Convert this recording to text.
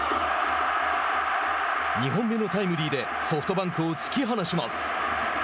２本目のタイムリーでソフトバンクを突き放します。